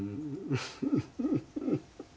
フフフフ。